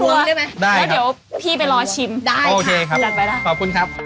แล้วเดี๋ยวพี่ไปรอชิมจัดไปแล้วโอเคขอบคุณครับ